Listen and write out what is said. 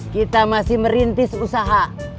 kita masih merintis usaha